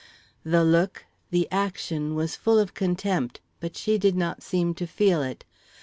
The look, the action, was full of contempt, but she did not seem to feel it.